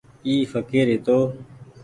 اي ڦڪير هيتو ۔